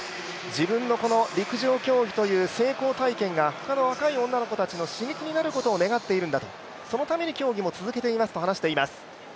自分の陸上競技という成功体験が、他の若い女の子たちの刺激になることを願っているんだと、そのために競技も続けていますと話しています。